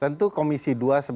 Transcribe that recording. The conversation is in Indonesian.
tentu komisi dua akan menanggung